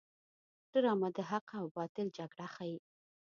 ډرامه د حق او باطل جګړه ښيي